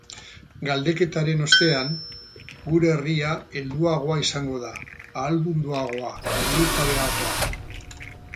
Galdeketaren ostean, gure herria helduagoa izango da, ahaldunduagoa, burujabeagoa.